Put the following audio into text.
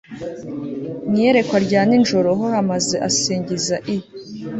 mu iyerekwa rya nijoro h maze asingiza i